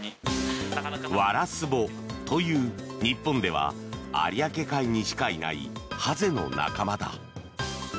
ワラスボという日本では有明海にしかいないハゼの仲間だ。